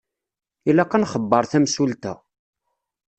Ilaq ad nxebber tamsulta.